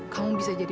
kamu bisa jadi